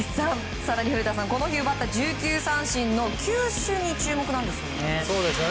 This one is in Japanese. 更に、古田さんこの日奪った１９三振の球種に注目なんですね。